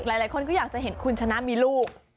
หลายคนก็อยากจะเห็นคุณชนะมีลูก